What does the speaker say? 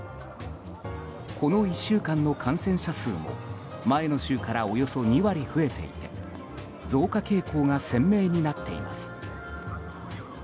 この１週間の感染者数も前の週からおよそ２割増えていて増加傾向が鮮明になっています。